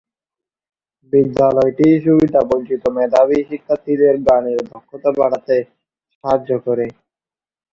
বিদ্যালয়টি সুবিধাবঞ্চিত মেধাবী শিক্ষার্থীদের গানের দক্ষতা বাড়াতে সাহায্য করে।